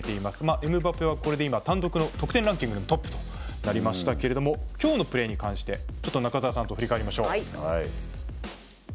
エムバペはこれで、今単独の得点ランキングでトップとなりましたけれども今日のプレーに関してちょっと中澤さんと振り返りましょう。